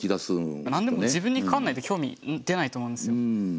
何でも自分に関わんないと興味出ないと思うんですよ。